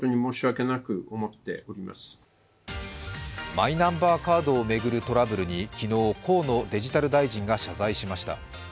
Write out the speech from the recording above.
マイナンバーカードを巡るトラブルに、昨日、河野デジタル大臣が謝罪しました。